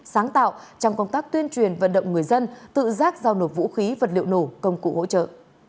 sáng tạo trong công tác tuyên truyền vận động người dân tự giác giao nộp vũ khí vật liệu nổ công cụ hỗ trợ